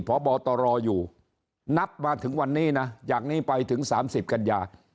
พบตรอยู่นับมาถึงวันนี้นะจากนี้ไปถึง๓๐กันยา